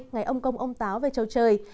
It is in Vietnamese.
ngày ông công ông táo về châu trời